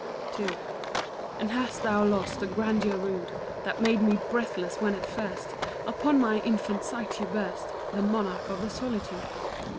II. And hast thou lost the grandeur rude That made me breathless, when at first Upon my infant sight you burst, The monarch of the solitude?